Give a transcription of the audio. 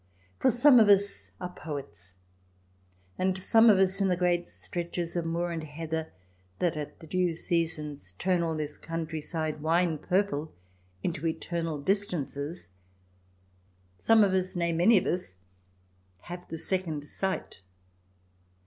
For some of us are poets, and some of us in the great stretches 2i6 THE DESIRABLE ALIEN [ch. xvi of moor and heather that at the due seasons turn all this countryside wine purple into eternal distances — some of us, nay, many of us, have the second sight.